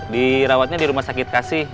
dirawatnya di rumah sakit kasih